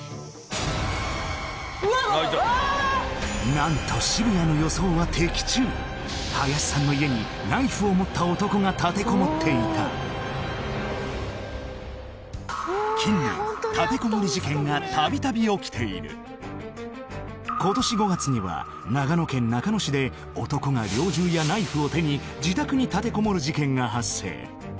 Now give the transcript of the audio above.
何と渋谷の林さんの家に近年立てこもり事件がたびたび起きている今年５月には長野県中野市で男が猟銃やナイフを手に自宅に立てこもる事件が発生